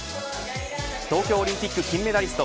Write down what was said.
東京オリンピック金メダリスト